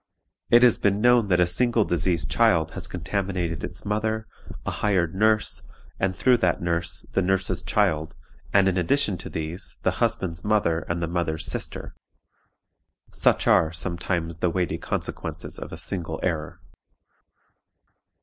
It has been known that a single diseased child has contaminated its mother, a hired nurse, and, through that nurse, the nurse's child, and, in addition to these, the husband's mother and the mother's sister. Such are sometimes the weighty consequences of a single error.